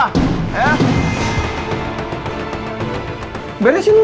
ikutin peraturan gua